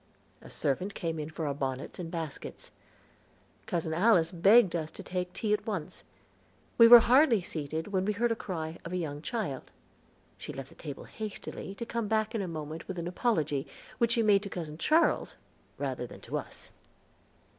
A servant came in for our bonnets and baskets. Cousin Alice begged us to take tea at once. We were hardly seated when we heard the cry of a young child; she left the table hastily, to come back in a moment with an apology, which she made to Cousin Charles rather than to us.